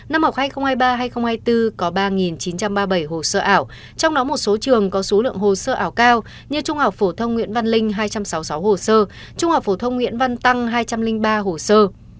năm học hai nghìn hai mươi ba hai nghìn hai mươi bốn có ba chín trăm ba mươi bảy hồ sơ ảo trong đó một số trường có số lượng hồ sơ ảo cao như trung học phổ thông nguyễn văn linh hai trăm sáu mươi sáu hồ sơ trung học phổ thông nguyễn văn tăng hai trăm linh ba hồ sơ